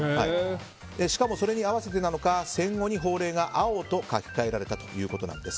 しかも、それに合わせてなのか戦後に法令が青と書き換えられたということです。